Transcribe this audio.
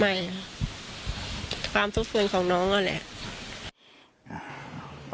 ไม่ค่ะความทุกส่วนของน้องนั่นแหละ